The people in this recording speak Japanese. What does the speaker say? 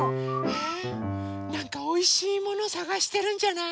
えなんかおいしいものさがしてるんじゃない？